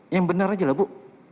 yang benar aja lah bu